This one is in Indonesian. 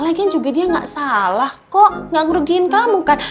lagian juga dia nggak salah kok gak ngerugikan kamu kan